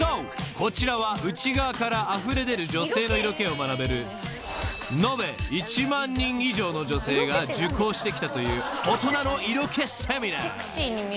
こちらは内側からあふれでる女性の色気を学べる延べ１万人以上の女性が受講してきたという］